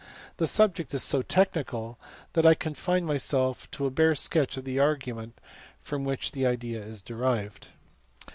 The subject is so technical that I confine myself to a bare sketch of the argument from which the idea is derived.